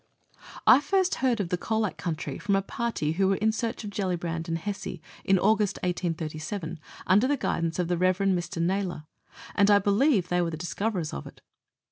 I first heard of the Colac country from a party who were in search of Gellibrand and Hesse, in August 1837, under the guidance of the Rev. Mr. Naylor, and believe they were the dis coverers of it.